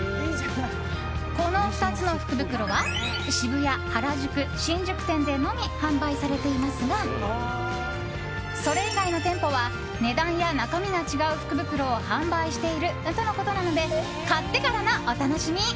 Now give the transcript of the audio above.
この２つの福袋は渋谷、原宿、新宿店でのみ販売されていますがそれ以外の店舗は値段や中身が違う福袋を販売しているとのことなので買ってからのお楽しみ。